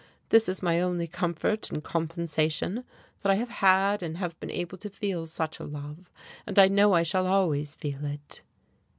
This is my only comfort and compensation, that I have had and have been able to feel such a love, and I know I shall always feel it.